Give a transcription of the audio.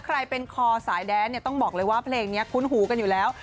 ใครเป็นคอสายแดนเนี่ยต้องบอกเลยว่าเพลงนี้คุ้นหูกันอยู่แล้ว